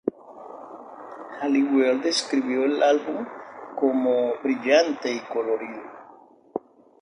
Halliwell describió el álbum cómo "brillante y colorido".